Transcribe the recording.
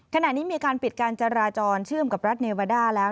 ขณะนี้มีการปิดการจราจรเชื่อมกับรัฐเนวาด้าแล้ว